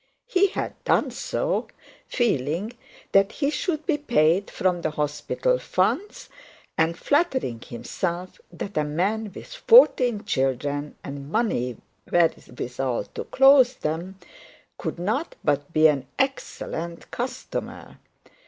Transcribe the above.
He had done so, feeling that he should be paid from the hospital funds, and flattering himself that a man with fourteen children, and money wherewithal to clothe them, could not but be an excellent customer.